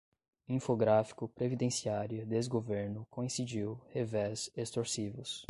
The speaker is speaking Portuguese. Infográfico, previdenciária, desgoverno, coincidiu, revés, extorsivos